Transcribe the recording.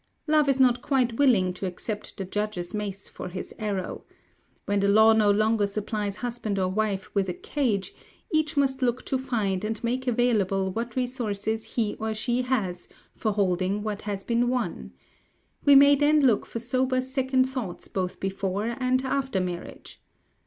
Love is not quite willing to accept the judge's mace for his arrow. When the law no longer supplies husband or wife with a cage, each must look to find and make available what resources he or she has for holding what has been won. We may then look for sober second thoughts both before and after marriage.